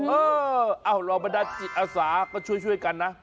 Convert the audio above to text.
เอ้อเรามาได้อาสาก็ช่วยกันนะ